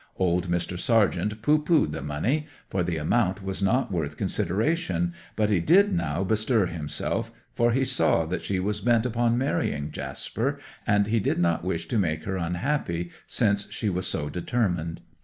Old Mr. Sargent pooh poohed the money, for the amount was not worth consideration, but he did now bestir himself; for he saw she was bent upon marrying Jasper, and he did not wish to make her unhappy, since she was so determined.